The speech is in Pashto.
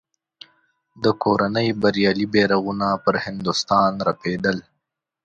د کورنۍ بریالي بیرغونه پر هندوستان رپېدل.